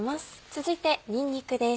続いてにんにくです。